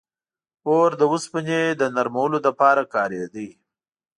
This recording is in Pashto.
• اور د اوسپنې د نرمولو لپاره کارېده.